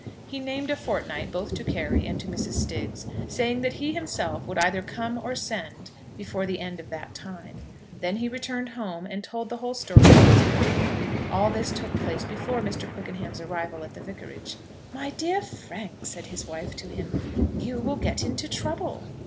He named a fortnight both to Carry and to Mrs. Stiggs, saying that he himself would either come or send before the end of that time. Then he returned home, and told the whole story to his wife. All this took place before Mr. Quickenham's arrival at the vicarage. "My dear Frank," said his wife to him, "you will get into trouble."